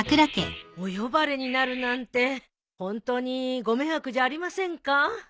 お呼ばれになるなんてホントにご迷惑じゃありませんか？